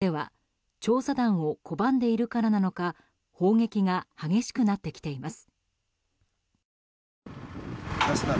ただ、エネルホダルでは調査団を拒んでいるからなのか砲撃が激しくなってきています。